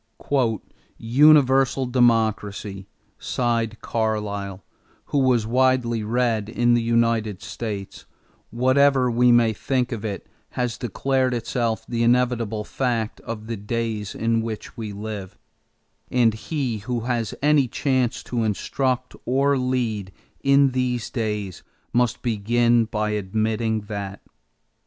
"Universal democracy," sighed Carlyle, who was widely read in the United States, "whatever we may think of it has declared itself the inevitable fact of the days in which we live; and he who has any chance to instruct or lead in these days must begin by admitting that